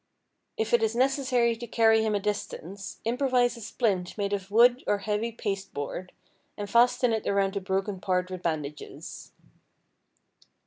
If it is necessary to carry him a distance, improvise a splint made of wood or heavy pasteboard and fasten it around the broken part with bandages.